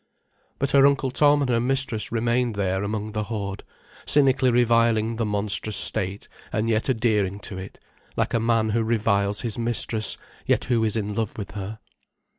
But her Uncle Tom and her mistress remained there among the horde, cynically reviling the monstrous state and yet adhering to it, like a man who reviles his mistress, yet who is in love with her.